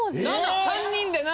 ３人で７！？